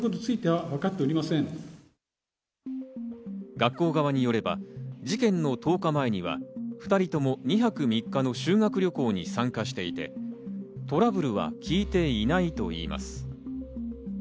学校側によれば事件の１０日前には２人とも２泊３日の修学旅行に参加していて、トラブルは聞いていないといいます。